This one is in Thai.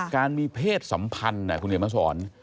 การมีเพศสัมพันธ์น่ะคุณเหลี่ยมมาสอน